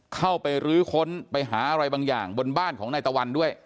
เข้าไปรื้อค้นไปหาอะไรบางอย่างบนบ้านของนายตะวันด้วย